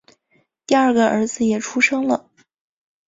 第二个儿子也出生了